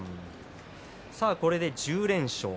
これで１０連勝。